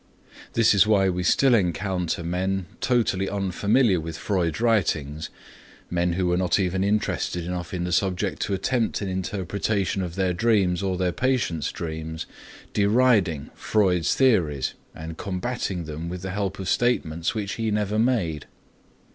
This is why we still encounter men, totally unfamiliar with Freud's writings, men who were not even interested enough in the subject to attempt an interpretation of their dreams or their patients' dreams, deriding Freud's theories and combatting them with the help of statements which he never made.